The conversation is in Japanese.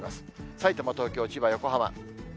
さいたま、東京、千葉、横浜。